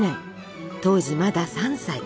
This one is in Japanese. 当時まだ３歳。